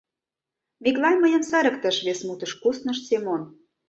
— Миклай мыйым сырыктыш, — вес мутыш кусныш Семон.